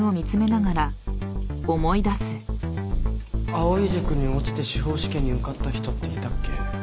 藍井塾に落ちて司法試験に受かった人っていたっけ？